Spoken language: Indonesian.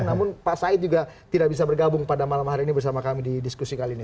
namun pak said juga tidak bisa bergabung pada malam hari ini bersama kami di diskusi kali ini